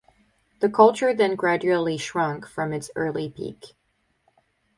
The culture then gradually shrank from its early peak.